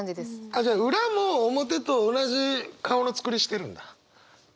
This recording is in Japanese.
あっじゃあ裏も表と同じ顔のつくりしてるんだ？